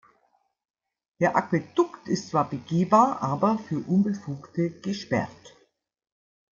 Der Aquädukt ist zwar begehbar, aber für Unbefugte gesperrt.